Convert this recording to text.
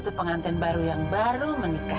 itu pengantin baru yang baru menikah